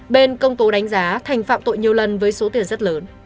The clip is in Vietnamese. bên công tố đánh giá thành phạm tội nhiều lần với số tiền rất lớn